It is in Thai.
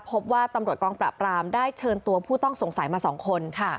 พบว่าตำรวจกองปราบรามได้เชิญตัวผู้ต้องสงสัยมา๒คน